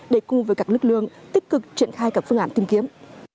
để cùng với các lực lượng tích cực triển khai các phương án tìm kiếm